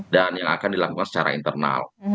dan yang akan dilakukan secara internal